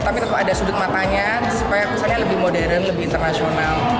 tapi tetap ada sudut matanya supaya pesannya lebih modern lebih internasional